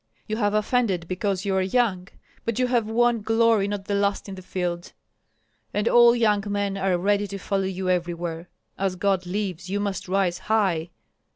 You have offended because you are young; but you have won glory not the last in the field, and all young men are ready to follow you everywhere. As God lives, you must rise high!